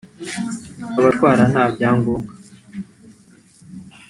abatwara nta byangombwa